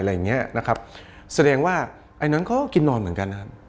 อย่างเงี้ยนะครับแสดงว่าไอ้นั้นก็กินนอนเหมือนกันนะครับ